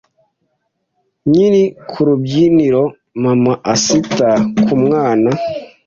Nkiri ku rubyiniro, mama azita ku mwana.